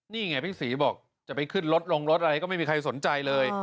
นี่ไงพี่ศรีบอกจะไปขึ้นรถลงรถอะไรก็ไม่มีใครสนใจเลย